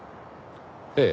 ええ。